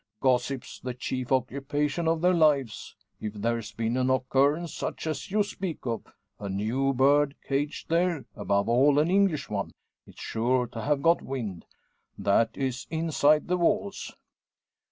Gossip's the chief occupation of their lives. If there's been an occurrence such as you speak of a new bird caged there above all an English one it's sure to have got wind that is inside the walls.